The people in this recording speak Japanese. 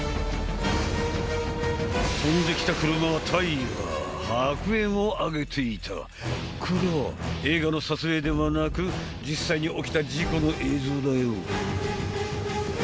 飛んできた車は大破白煙を上げていたこれは映画の撮影ではなく実際に起きた事故の映像だよ